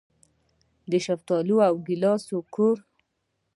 د شفتالو او ګیلاس کور.